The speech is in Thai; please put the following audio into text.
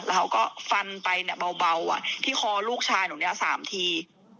แล้วเขาก็ฟันไปเนี้ยเบาเบาอ่ะที่คอลูกชายหนูเนี้ยสามที